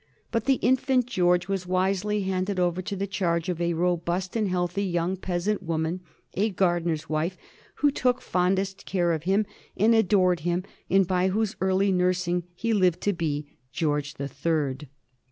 But the infant George was wisely handed over to the charge of a robust and healthy young peasant woman, a gardener's wife, who took fondest care of him and adored him, and by whose early nursing he lived to be George the Third.